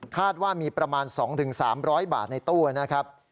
คาดว่ามีประมาณ๒๓๐๐บาทในตู้นะครับ